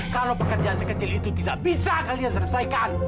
kalau pekerjaan sekecil itu tidak bisa kalian selesaikan